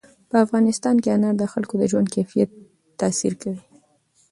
په افغانستان کې انار د خلکو د ژوند کیفیت تاثیر کوي.